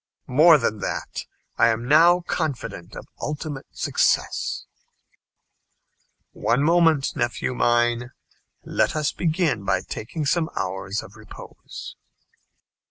"More than that, I am now confident of ultimate success." "One moment, nephew mine. Let us begin by taking some hours of repose."